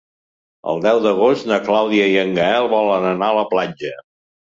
El deu d'agost na Clàudia i en Gaël volen anar a la platja.